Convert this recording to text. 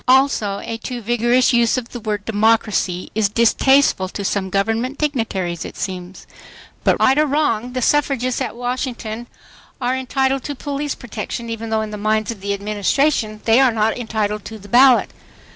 Also a too vigorous use of the word "democracy" is distasteful to some government dignitaries, it seems. But right or wrong, the suffragists at Washington are entitled to police protection, even though in the minds of the Administration they are not entitled to the ballot.